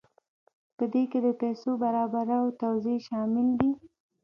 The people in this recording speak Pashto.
په دې کې د پیسو برابرول او توزیع شامل دي.